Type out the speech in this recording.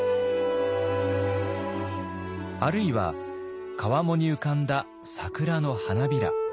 あるいは川面に浮かんだ桜の花びら。